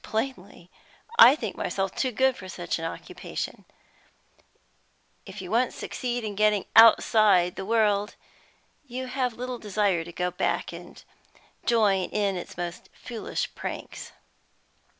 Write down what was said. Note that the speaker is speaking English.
"Plainly, I think myself too good for such occupation. If you once succeed in getting outside the world, you have little desire to go back and join in its most foolish pranks."